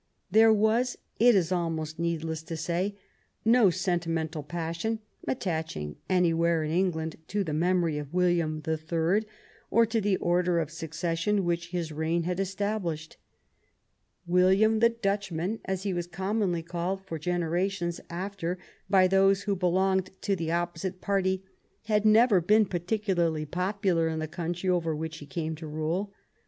There was, it is almost needless to say, no senti mental passion attaching anywhere in England to the memory of William the Third or to the order of suc cession which his reign had established. William the Dutchman, as he was commonly called for generations after by those who belonged to the opposite party, had never been particularly popular in the country over which he came to rule.